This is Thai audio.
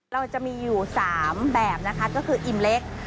เราจะมีอยู่๓แบบนะคะก็คืออิ่มเล็ก